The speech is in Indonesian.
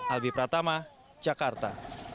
albi pratama jakarta